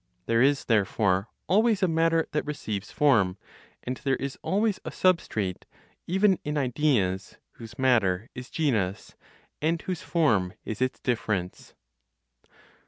There is therefore always a matter that receives form, and there is always a substrate (even in ideas, whose matter is genus, and whose form is its difference).